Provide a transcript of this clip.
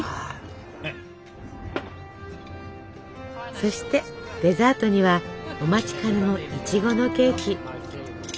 そしてデザートにはお待ちかねのいちごのケーキ。